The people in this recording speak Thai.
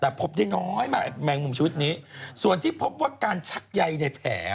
แต่พบได้น้อยมากแมงมุมชนิดนี้ส่วนที่พบว่าการชักใยในแผล